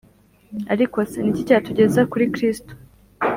Ariko se , ni iki cyatugeza kuri Kristo?